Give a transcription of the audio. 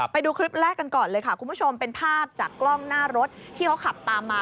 ไปดูคลิปแรกกันก่อนเลยค่ะคุณผู้ชมเป็นภาพจากกล้องหน้ารถที่เขาขับตามมา